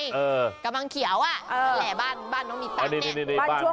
เออะกำลังเขียวว่ะแหละบ้านมันมีตังนี้